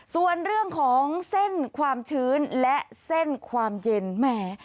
ส่วนเรื่องของเส้นความชื้นและเส้นความเย็นแหม